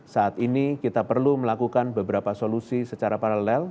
saat ini kita perlu melakukan beberapa solusi secara paralel